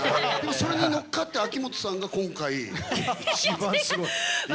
それに乗っかって、秋元さんが今回、一番すごい。